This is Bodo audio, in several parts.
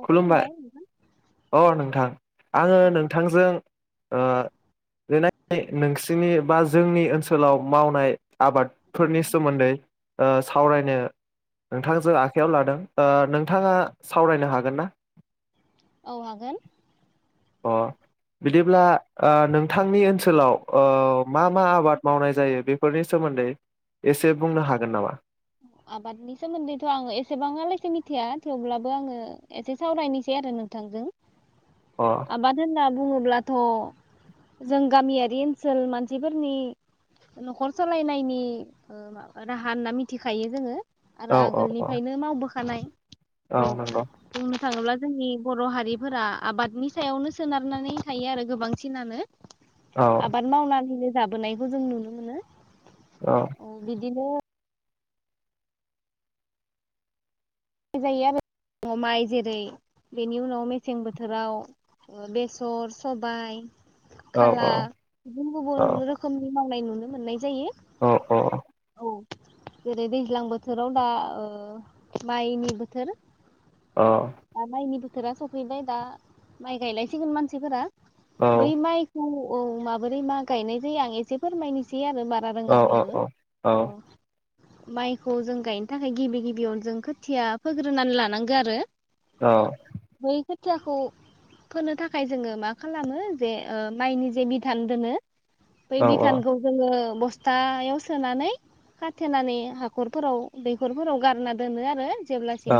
अ' खुलुमबाय नोंथां अ नोंथां आङो औ नोंथांजों ओ [unintelligible] नोंसिनि बा जोंनि ओनसोलाव मावनाय औ आबादफोरनि सोमोन्दै ओ सावरायनो नोंथांजों आखाइयाव लादों ओ नोंथाङा सावरायनो हागोन ना औ हागोन अ बिदिब्ला ओ नोंथांनि ओनसोलाव ओ मा मा आबाद मावनाय जायो बेफोरनि सोमोन्दै एसे बुंनो हागोन नामा? आबादनि सोमोन्दैथ' आङो एसेबाङालासे मिथिया थेवब्लाबो आङो एसे सावरायनोसै आरो नोंथांजों अ आबाद होनना बुङो ब्लाथ' जों गामियारि ओनसोल मानसिफोरनि न'खर सालायनि ओ मा राहा होनना मि होखायो जोङो औ आरो औ औ आगोलनिफ्रायनो मावबोखा खानाय औ नंगौ थाङोब्ला जोंनि बर' हारिफोरा आबादनि सायावनो सोनारनानै थायो आरो गोबांसिनानो औ आबाद मावनानैनो जाबोनायखौ जों नुनो मोनो औ अ बिदिनो माइ जायो आरो माइ जेरै बेनि उनाव मेसें बोथोराव ओ बेसर सबाय औ खाला औ गुबुन गुबुन रोखोमनि मावनाय नुनो मोननाय जायो अ अ औ जेरै दैज्लां बोथोराव दा ओ माइनि बोथोर औ आ माइनिबो बोथोरा सफैबाय दा माइ गायलायसिगोन मानसिफोरा औ औ बै माइखौ औ माबोरै मा गायनाय जायो आं एसे फोरमायनोसै आरो बारा औ रोङाब्लाबो औ औ अ माइखौ जों गायनो थाखाय गिबि गिबियावनो जों खो खुथिया फोग्रोनानै लानांगौ आरो औ खुथियाखौ फोनो थाखाय जोङो मा खालामो जे ओ माइनि जे बिधान दोनो बै औ मिथानखौ जोङो बस बसथायाव सोनानै खाथेनानै हाखरफोराव दैखरफोराव गारना दोनो आरो जेब्लासिम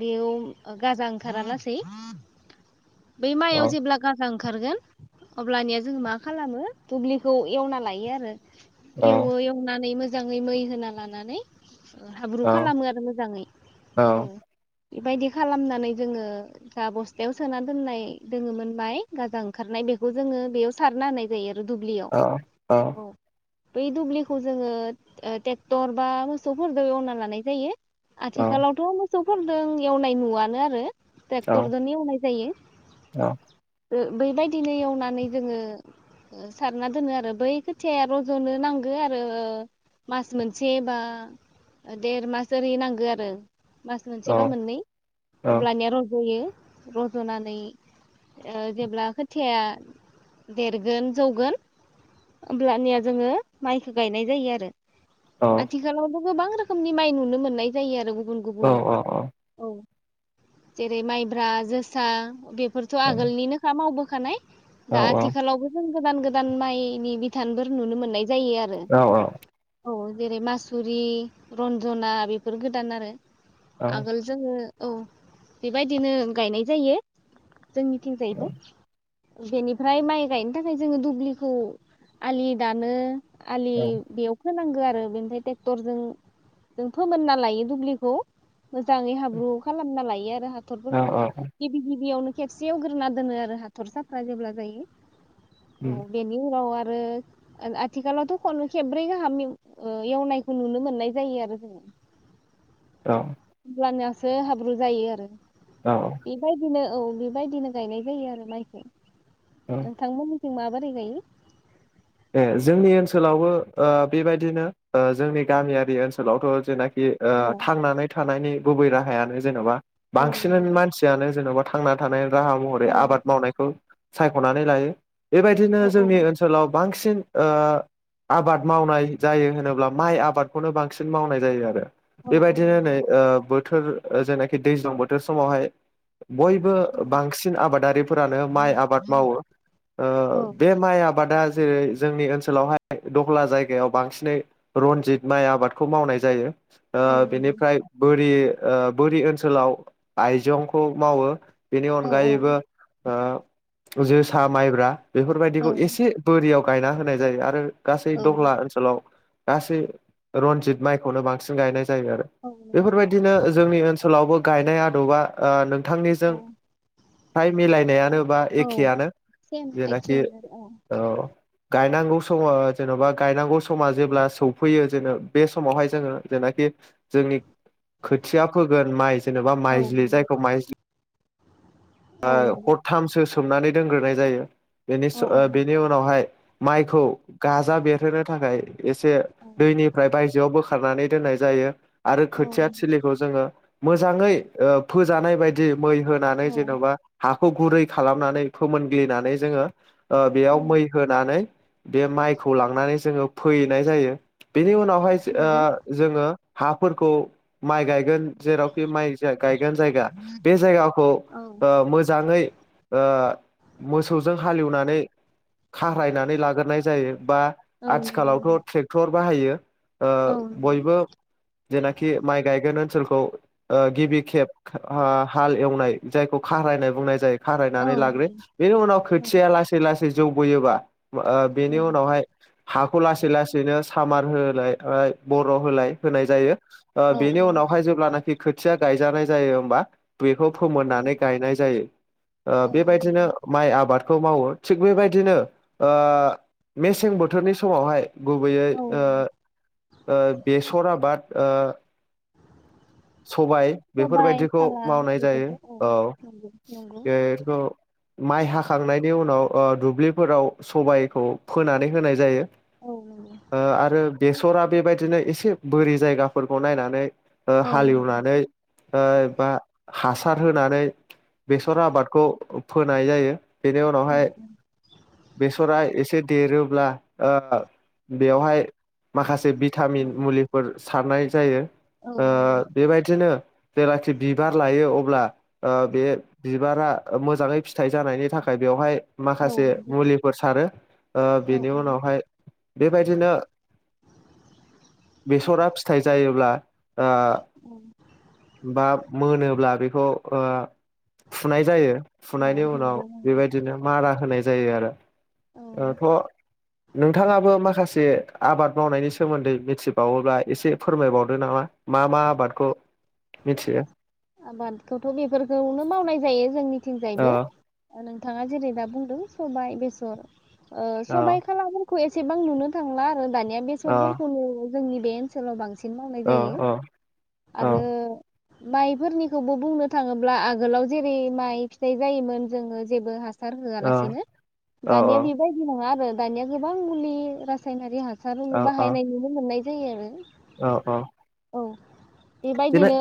बेयाव गाजा ओंखारालासै बै माइआव जेब्ला गाजां ओंखारगोन अब्लानिया जोङो मा खालामो दुब्लिखौ एवना लायो आरो औ एवो एवनानै मोज मोजाङै मै होना लानानै हाब्रु खालामो आरो मोजाङै औ बेबायदि खालामनानै जोङो जा बस्थायाव सोना दोननाय दोङोमोन बाय गाजा ओंखारनाय बेखौ जोङो बेयाव सारना होनाय जायो आरो आरो दुब्लियाव औ औ औ बै दुब्लिखौ जोङो ओ टेक्टर बा मोसौफोरदो एवना लानाय जायो आथिखालावथ' मो मोसौफोरदों एवनाय नुवानो आरो ट्रेक्टरजोनो एवनाय जायो बैबायदिनो एवनानै जोङो सारना दोनो आरो बै खोथियाया रज'नो नांगो आरो मास मोनसे बा देर मास जेरै नांगो आरो मास मोनसेबा मोननै अब्लानिया रज'यो रज'नानै ओ जेब्ला खोथिया देरगोन जौगोन होमब्लानिया जोङो माइखो गायनाय जायो आरो आथि खालावथ' गोबां रोखोमनि माइ नुनो मोननाय जायो आरो गुबुन गुबुन औ जेरै माइब्रा जोसा बे फोरथ' आगोलनिनोखा मावबो होखानाय दा आथिखालावबो जों गोदान गोदान माइनि बिधानफोर नुनो मोननाय जायो आरो औ। जेरै मासुरि रन्जना बेफोर गोदान आरो आगोल जोङो औ बेबायदिनो गायनाय जायो जोंनिथिंजायैबो बेनिफ्राय माइ गायनो थाखाय जोङो दुब्लिखौ आलि दानो। आलि बेयाव होनांगो आरो बेनिफ्राय ट्रेक्टरजों जों फोमोनना लायो दुब्लिखौ मोजाङै हाब्रु खालाम नालाय आरो थरफोरखौ गिबि गिबियावनो खेबसेयाव गोरोना दोनो आरो हाथरसाफ्रा जेब्ला जायो। औ बेनि हराव आरो आथिखालावथ' खनु खेब्रै गाहाम ओ एवनायखौ नुनो मोननाय जायो आरो जोङो। [unintelligible] सो हाब्रु जायो आरो औ बेबायदिनो औ बेबायदिनो गायनाय जायो आरो माइखौ औ नोंथांमोन माबारै गायो? ए जोंनि ओनसोलावबो ओ बेबायदिनो ओ जोंनि गामियारि ओनसोलावथ' जेनाखि बे औ थांनानै थानायनि गुबै राहायानो जेन'बा औ बांसिन नंगौ मानसियानो जेन'बा थांना थानाय राहा औ महरै आबाद मावनायखौ सायख'नानै लायो। बेबायदिनो जोंनि ओनसोलाव बांसिन ओ आबाद मावनाय जायो होनोब्ला माइ आबादखौनो बांसिन मावनाय जायो आरो। औ औ बेबायदिनो नंगौ नै बोथोर जेनाखि दैज्लां बोथोर समावहाय बयबो औ बांसिन आबादारिफोरानो माइ आबाद मावो औ बे माइ आबादा जेरै जोंनि ओनसोलावहाय दहला जायगायाव बांसिनै रनजित माइ आबादखौ मावनाय जायो। ओ औ नंगौ बिनिफ्राय बै बे ओ बोरि ओनसोलाव आइजंखौ मावो बेनि औ औ अनगायैबो ओ जोसा माइब्रा औ बेफोरबायदिखौ एसे दैयाव गायना होनाय जायो आरो गासै औ दहला ओनसोलाव गासै रनजित माइखौनो बांसिन गायनाय जायो आरो औ नंगौ बेफोरबायदिनो जोंनि ओनसोलावबो गायनाय आदबा ओ नों थांनिजों औ फ्राय मिलायनायानो बा औ एखेयानो सेम जेनाखि एखेयानो आरो औ गायनांगौ समाव जेन'बा गायनांगौ समा जेब्ला सौफैयो जेन बे समावहाय जोङो जेनाखि जोंनि खोथिया फोगोन माइ जेनेबा माइज्लि जायखौ माइज्लि औ आ नंगौ हरथामसो सोमनानै दोनग्रोनाय जायो बेनि औ सो ओ नंगौ बेनि उनावहाय माइखौ गाजा बेरहोनो थाखाय एसे औ दैनिफ्राय बायजोआवबो खारनानै दोननाय जायो आरो औ खोथिया थिलिखौ जोङो मोजाङै ओ फोजानाय बायदि मै होनानै औ नंगौ औ जेनबा हाखौ गुरै खालामनानै फोमोनग्लिनानै जोङो ओ बेयाव उम मै होनानै बे माइखौ लांनानै जोङो फोयैनाय जायो बेनि उनावहाय ओ नंगौ जोङो हाफोरखौ माइ गायगोन जेरावखि माइ गायगोन जायगा बे जायगाखौ औ ओ मोजाङै ओ मोसौजों हालेवनानै खारायनानै लागोरनाय जायो बा औ नंगौ नंगौ आथिखालावथ' ट्रेक्टर बाहायो [inaudible] ओ औ नंगौ बयबो जेनाखि माइ गायगोन ओनसोलखौ ओ गिबि खेब ओ हाल एवनाय जायखौ खारायनाय बुंनाय जायो औ खारायनानै लाग्रो नंगौ बेनि उनाव औ खोथिया लासै लासै सै जौबोयोबा ओ औ बेनि उनावहाय हाखौ लासै लासैनो सामार होलाय बर' होलाय होनाय जायो। ओ औ बेनि उनावहाय जेब्लानोखि खोथिया गायजानाय जायो होमबा बेखौ फोमोननानै गायनाय जायो ओ औ बेबायदिनो नंगौ माइ आबाद खौ मावो थिग बेबायदिनो ओ मेसें बोथोरनि समावहाय गुबैयै औ ओ नंगौ ओ बेसर आबाद ओ सबाय सबाइ बेफोरबायदिखौ खाला मावनाय जायो। बेफोरखौ औ ओ नंगौ नंगौ बेफोरखौ माइ हाखांनायनि नि उनाव ओ दुब्लिफोराव सबायखौ फोनानै होनाय जायो। औ नंगौ ओ आरो बेसर सरा बेबायदिनो एसे बोरि जायगाफोरखौ नायनानै ओ औ नंगौ हालेवनानै ओ बा हासार होनानै बेसर आबादखौ फोनाय जायो। बेनि उनावहाय बेसरा एसे देरोब्ला ओ बेयावहाय माखासे औ भिटामिन मुलिफोर सारनाय जायो। ओ औ नंगौ बेबायदिनो जेलाखि बिबार लायो अ ब्ला ओ बे बिबारा मोजाङै फिथाइ जानायनि थाखाय बेवहाय औ माखासे नंगौ मुलिफोर सारो ओ औ बिनि उनावहाय बेबायदिनो बेसरा फि फिथाइ जायोब्ला आ औ बा मोनोब्ला बेखौ ओ फुनाय जायो औ फुनायनि उनाव नंगौ नंगौ बेबायदिनो मारा होनाय जायो आरो। औ ओ थ' नोंथाङाबो माखासे आबाद मावनायनि सोमोनदै मिथिबावोब्ला एसे फोरमायबावदो नामा मा मा आबादखौ मिथियो। आबादखौथ' बेफोरखौनो मावनाय जायो औ जोंनिथिंजायबो नों थाङा जेरै दा बुंदों सबाय, बेसर। ओ औ सबाइखाला फोरखौ खौ एसेबां नुनो थांला दानिया औ बेसर फोरखौनो जोंनि बे ओनसोलाव बांसिन सिन मावनाय औ जायो औ औ आरो माइ फोरनिखौबो बुंनो थाङोब्ला आगोलाव जेरै माइ फिथाइ जायोमोन जोङो जेबो हा सार औ होआलासिनो औ दानिया बेबायदि नङा आरो दानिया गोबां मुलि रासायनारि हा सार औ औ बाहायनाय नुनो मोननाय जायो आरो औ औ औ एबायदिनो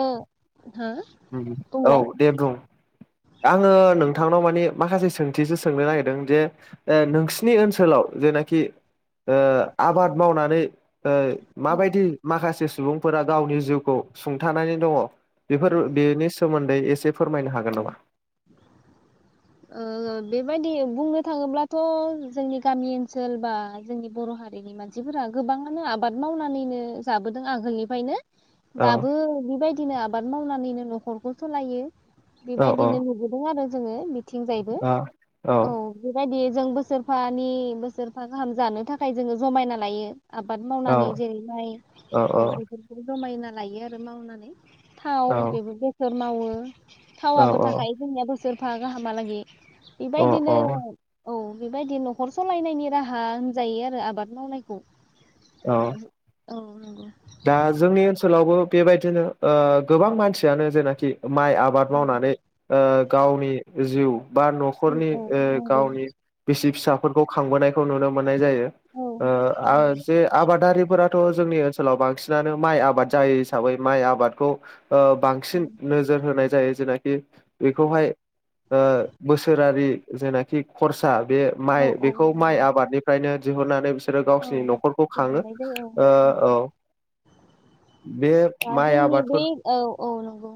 उम औ दे बुं आङो नोंथांनाव माने माखासे सोंथिसो सोंनो नागिरदों जे ओ नोंसिनि ओनसोलाव जेना-' खि ओ आबाद मावनानै ओ औ माबायदि माखासे सुबुंफोरा गावनि जिउखौ सुंथानानै दङ बेफोर बेनि सोमोन्दै एसे फोरमायनो हागोन नामा ओ बेबायदि बुंनो थाङोब्लाथ' जोंनि गामि ओनसोल बा जोंनि बर' हारिनि मानसिफोरा गोबाङानो आबाद मावनानैनो जाबोदों आगोलनिफायनो औ दाबो बेबायदिनो आबाद मावनानैनो न'खरखौ सलायो औ बेबायदिनो नुबोदों आरो जोङो बिथिंजायबो औ औ बेबायदि जों बोसोरफानि बोसोरफा गाहाम जानो थाखाय जोङो जमायना लायो आबाद औ मावनानै जेरैहाय औ बेफोरखौ जमायना लायो आरो मावनानै थाव औ बेबो बेसर मावो थावाबो औ थाखायो जोंनियाबो द सोरफा गाहामालागै अ बेबायदिनो औ बेबायदि न'खर सालायनायनि राहा होनजायो आरो आबाद मावनायखौ औ औ नंगौ। दा जोंनि ओनसोलावबो बेबायदिनो ओ गोबां मानसियानो जेनाखि माइ आबाद मावनानै ओ गावनि जिउ बा न'खरनि नंगौ औ ओ नंगौ गावनि बिसि फिसाफोरखौ खांबोनाय खौ नुनो मोन मोननाय जायो औ ओ‌ आ‌ जे आबादारिफोरा थ जोंनि ओन ओनसोलाव बांसिनानो माइ आबाद जायो हिसाबै माइ आबादखौ ओ बांसिन नोजोर होनाय जायो। जेनाखि बेखौहाय ओ बोसोरारि जेनाखि खरस सा बे औ माइ औ बेखौ माइ नंगौ आबादनिफ्रायनो दिहरनानै बि बिसोरो औ गावसिरनि न'खरखौ खाङो गोजोननाय जायो औ ओ नंगौ औ। बे दा माइ जोंनि बे आबादफोर औ औ नंगौ।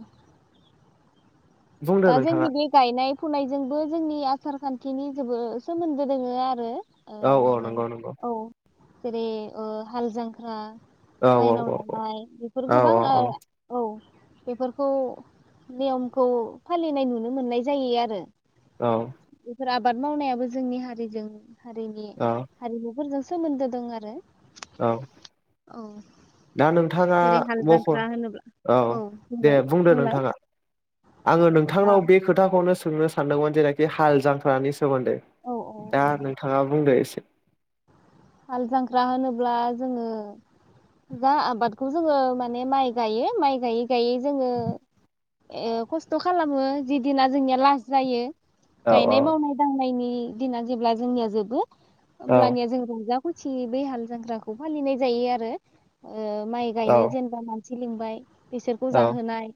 बुंदो दा नोंथाङा जोंनि बेे गायनाय फुनायजोंबो जोंनि आसार खान्थिनि जोबोद सोमोन्दो दोङो आरो। ओ औ औ माने नंगौ नंगौ। औ जेरै ओ हालजांख्रा। औ माइनाव औ लानाय बेफोर औ गोबां ओ औ औ। बेफोरखौ नियमखौ फालिनाय नुनो मोननाय जायो आरो। औ फोर आबाद मावनायाबो जोंनि हारिजों हारिनि हारिमुफोरजों सोमोन्दो दं आरो। औ [inaudible] दा नोंथाङा जेरै हाल मखर जांख्रा होनोब्ला ओ औ दे बुंलाय बुंदो बुंलाय नोंथाङा। आङो औ नोंथांनाव बे खोथाखौ नो सोंनो सानदोंमोन जेरैखि हाल जांख्रानि सोमोन्दो औ औ दा नंगौ नोंथाङा बुंदों एसे हाल जांख्रा होनोब्ला जोङो जा आबादखौ जोङो माने माइ गायो माइ गायै गायै जोङो ओ खस्थ' खालामो जिदिना जोंनिया लास जायो औ औ गायनाय मावनाय दांनायनि दिना जेब्ला जोंनिया जोबो औ होमब्लानिया जों रंजा खुसि बे हाल जांख्राखौ फालिनाय जायो आरो ओ माइ औ गायनो जेनेबा मानसि सि लिंबाय बिसोरखौ औ जाहोनाय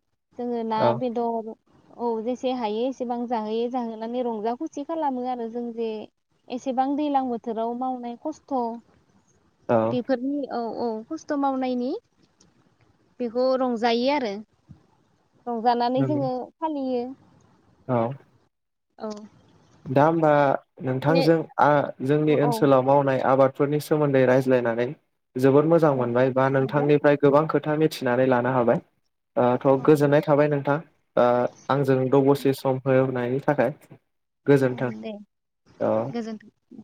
जोङो ना औ बेदर औ जेसे हायो एसेबां जाहोयो जाहोनानै रंजा खुसि खालामो आरो जों जे एसेबां दैज्लां बोथोर बोथोराव मावनाय खस्थ' औ बेफोरनि औ औ खस्थ' मावनायनि बेखौ रंजायो आरो रंजानानै नंगौ जोङो फालियो औ औ दा होमबा बे नोंथांजों आ जोंनि औ औ ओनसोलाव मावनाय आबाद फोरनि सोमोन्दै रायज्लायनानै जोबोद मोजां औ मोनबाय बा नंगौ नोंथांनिफ्राय गोबां खोथा नोंथां मिथिनानै लानो हाबाय ओ थ' औ गोजोननाय थाबाय नोंथां ओ आंजों द सम होनायनि थाखाय औ गोजोन्थों दे औ गोजोनथों